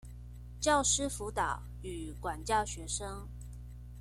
教師輔導與管教學生